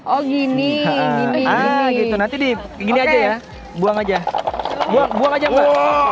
oh begini begini nanti di begini aja ya buang aja buang aja mbak